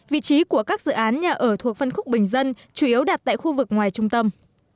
vị trí của các dự án nhà ở thuộc phân khúc bình dân chủ yếu đặt tại khu vực ngoài trung tâm